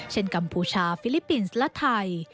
กัมพูชาฟิลิปปินส์และไทย